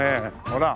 ほら。